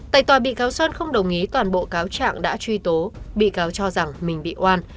tại tòa bị cáo son không đồng ý toàn bộ cáo trạng đã truy tố bị cáo cho rằng mình bị oan